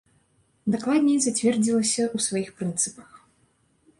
Дакладней, зацвердзілася ў сваіх прынцыпах.